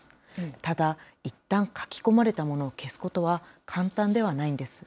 ただ、いったん書き込まれたものを消すことは簡単ではないんです。